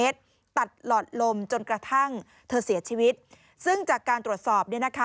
ตัดหลอดลมจนกระทั่งเธอเสียชีวิตซึ่งจากการตรวจสอบเนี่ยนะคะ